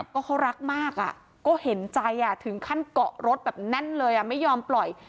ก็เขารักมากก็เห็นใจถึงขั้นเกาะรถแบบแน่นเลยไม่ยอมปล่อย